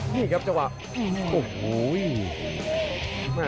นี่ครับจังหวะโอ้โห